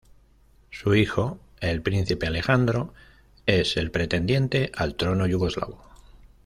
Su hijo, el príncipe Alejandro, es el pretendiente al trono yugoslavo.